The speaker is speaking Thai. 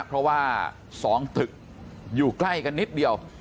เพราะว่า๒ตึกอยู่ใกล้กันนิดเดียว